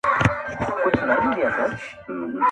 د رنځونو ورته مخ صورت پمن سو-